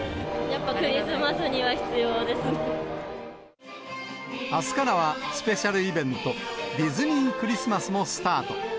やっぱクリスマスには必要であすからは、スペシャルイベント、ディズニー・クリスマスもスタート。